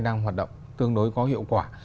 đang hoạt động tương đối có hiệu quả